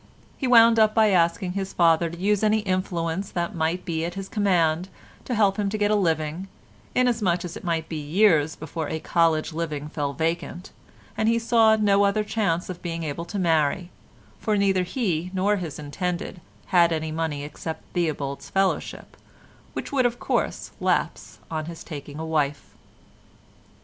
He wound up by asking his father to use any influence that might be at his command to help him to get a living, inasmuch as it might be years before a college living fell vacant, and he saw no other chance of being able to marry, for neither he nor his intended had any money except Theobald's fellowship, which would, of course, lapse on his taking a wife.